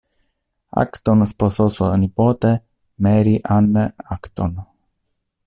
Acton sposò sua nipote Mary Anne Acton.